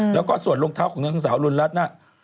แล้วก็ส่วนรองเท้าของนางสาวรุณรัฐน่ะ